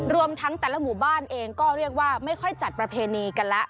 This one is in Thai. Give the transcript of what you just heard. รวมทั้งแต่ละหมู่บ้านเองก็ไม่จะจัดประเพณีกันแล้ว